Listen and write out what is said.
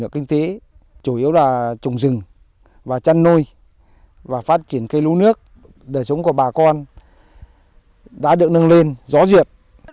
kinh tế chủ yếu là trồng rừng và chăn nuôi và phát triển cây lúa nước đời sống của bà con đã được nâng lên rõ rệt